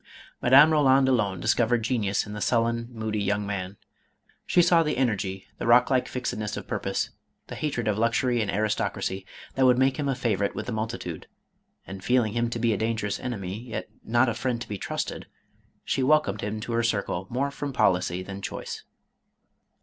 Madame Eoland alone discovered genius in the sullen, moody young man. She saw the energy, the rock like fixedness of purpose, the hatred of luxury and aristocracy, that would make him a favorite with the multitude, and feeling him to be a dangerous enemy, yet not a friend to be trusted, she welcomed him to her circle more from policy than choice.